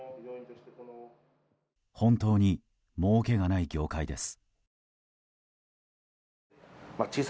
本当にもうけがない業界です。